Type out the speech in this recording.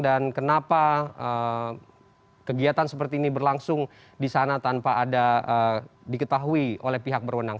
dan kenapa kegiatan seperti ini berlangsung disana tanpa ada diketahui oleh pihak berwenang